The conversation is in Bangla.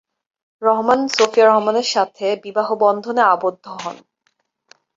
রহমান সোফিয়া রহমানের সাথে বিবাহবন্ধনে আবদ্ধ হন।